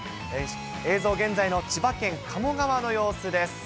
映像、現在の千葉県鴨川の様子です。